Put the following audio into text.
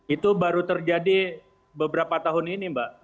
itu baru terjadi beberapa tahun ini mbak